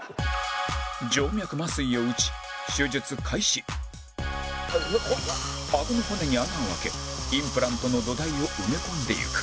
静脈麻酔を打ち顎の骨に穴を開けインプラントの土台を埋め込んでいく